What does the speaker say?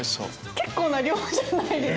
結構な量じゃないですか？